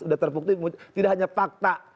sudah terbukti tidak hanya fakta